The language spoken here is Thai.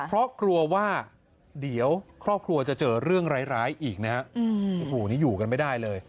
เพราะกลัวว่าเดี๋ยวครอบครัวจะเจอเรื่องร้ายอีกนะฮะโอ้โหนี่อยู่กันไม่ได้เลย